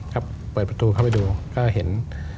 เปิดประตูเข้าไปดูก็เห็น